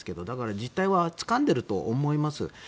だから実態はつかんでいると思います。